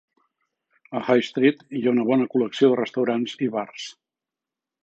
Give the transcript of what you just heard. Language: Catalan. A High Street hi ha una bona col·lecció de restaurants i bars.